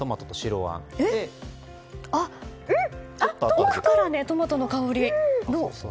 奥からトマトの香り。